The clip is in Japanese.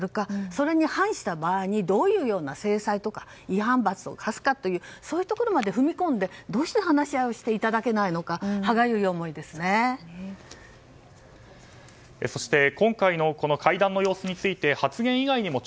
それに反した場合にどういうような制裁とか違反罰を科すかというところまで踏み込んでどうして話し合いをしていただけないのかそして今回の会談の様子について発言以外にも